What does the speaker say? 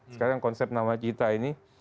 sekarang konsep namacita ini